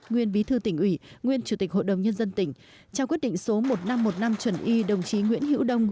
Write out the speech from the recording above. nguyên bí thư tỉnh ủy nguyên chủ tịch hội đồng nhân dân tỉnh trao quyết định số một nghìn năm trăm một mươi năm chuẩn y đồng chí nguyễn hữu đông